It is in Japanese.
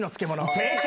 正解！